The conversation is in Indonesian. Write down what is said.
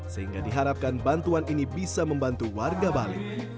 sehingga diharapkan bantuan ini bisa membantu warga bali